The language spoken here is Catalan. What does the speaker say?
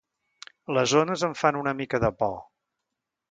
Les ones em fan una mica de por.